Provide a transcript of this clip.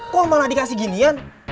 kok malah dikasih ginian